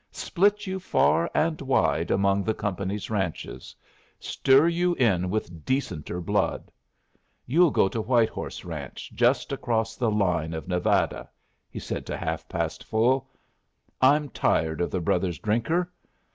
"Split you far and wide among the company's ranches. Stir you in with decenter blood. You'll go to White horse ranch, just across the line of Nevada," he said to Half past Full. "I'm tired of the brothers Drinker.